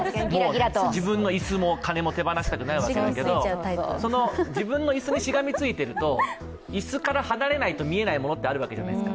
自分の椅子も金も手放したくないんですが自分の椅子にしがみついていると、椅子から離れないと見えないものってあるじゃないですか。